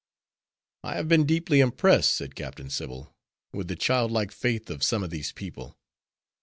'" "I have been deeply impressed," said Captain Sybil, "with the child like faith of some of these people.